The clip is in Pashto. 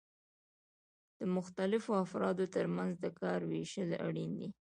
د مختلفو افرادو ترمنځ د کار ویشل اړین دي.